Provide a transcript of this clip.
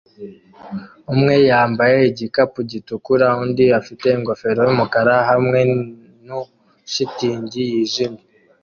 umwe yambaye igikapu gitukura undi afite ingofero yumukara hamwe nu shitingi yijimye